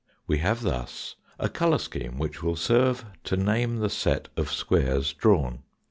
We have thus a colour scheme which will serve to name the set of squares drawn.